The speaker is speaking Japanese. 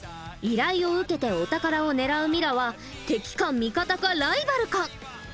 依頼を受けてお宝を狙うミラは敵か味方かライバルか？